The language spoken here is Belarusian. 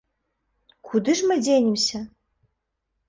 Куды ж мы дзенемся?